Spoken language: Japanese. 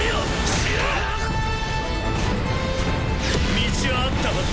道はあったはずだ